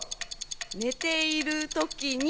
寝ている時に。